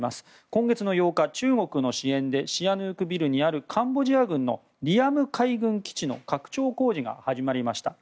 今月８日、中国の支援でシアヌークビルにあるカンボジア軍のリアム海軍基地の拡張工事が始まりました。